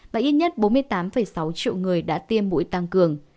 và ít nhất bốn mươi tám sáu triệu người đã tiêm bụi tăng cường